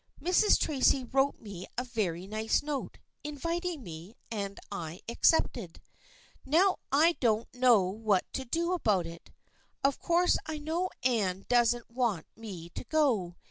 Mrs. Tracy wrote me a very nice note, inviting me, and I accepted. Now I don't know what to do about it. Of course I know Anne doesn't want me to go.